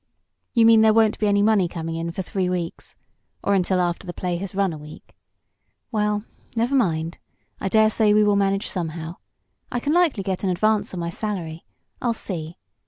You mean there won't be any money coming in for three weeks or until after the play has run a week. Well, never mind. I dare say we will manage somehow. I can likely get an advance on my salary. I'll see.